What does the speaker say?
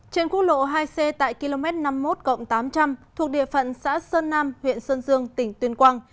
trên quốc lộ hai c tại km năm mươi một tám trăm linh thuộc địa phận xã sơn nam huyện sơn dương tỉnh tuyên quang